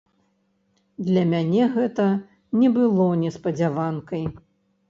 Для мяне гэта не было неспадзяванкай.